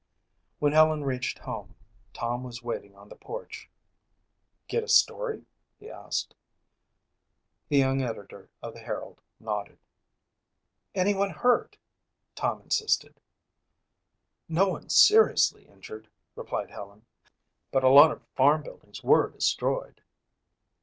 When Helen reached home, Tom was waiting on the porch. "Get a story?" he asked. The young editor of the Herald nodded. "Anyone hurt?" Tom insisted. "No one seriously injured," replied Helen, "but a lot of farm buildings were destroyed."